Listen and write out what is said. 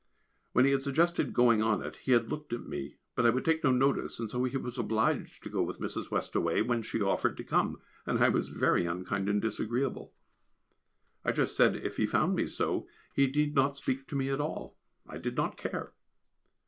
When he had suggested going on it he had looked at me, but I would take no notice, and so he was obliged to go with Mrs. Westaway when she offered to come, and I was very unkind and disagreeable. I just said if he found me so, he need not speak to me at all, I did not care.